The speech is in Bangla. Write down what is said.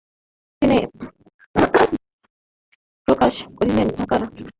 তিনি প্রকাশ করেছিলেন ঢাকার ব্রাহ্মযুবকদের জন্য।